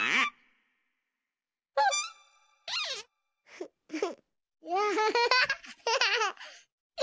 フッフッ。